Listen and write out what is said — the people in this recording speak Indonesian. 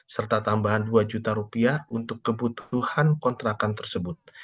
serta tambahan rp dua juta untuk kebutuhan kontrakan tersebut